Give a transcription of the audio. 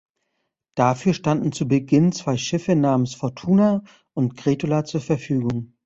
Dafür standen zu Beginn zwei Schiffe namens "Fortuna" und "Gretula" zur Verfügung.